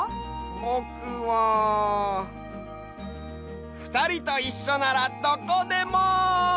ぼくはふたりといっしょならどこでも！